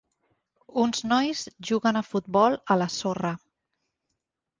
Uns nois juguen a futbol a la sorra.